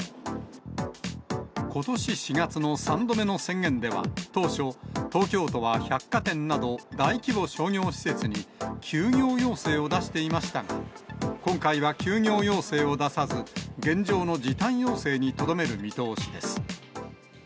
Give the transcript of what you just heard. ことし４月の３度目の宣言では、当初、東京都は百貨店など、大規模商業施設に休業要請を出していましたが、今回は休業要請を出さず、現状の時短要請にとどめる見通しです。